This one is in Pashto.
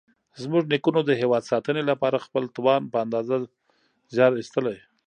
زموږ نیکونو د هېواد ساتنې لپاره خپل توان په اندازه زیار ایستلی.